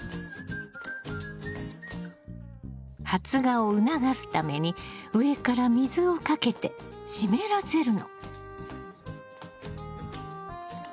発芽を促すために上から水をかけて湿らせるの。